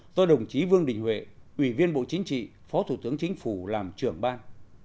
do đồng chí vương đình huệ ủy viên bộ chính trị phó thủ tướng chính phủ làm trưởng ban